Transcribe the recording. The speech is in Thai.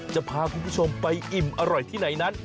จะพาคุณผู้ชมไปอิ่มอร่อยที่ไหนนั้น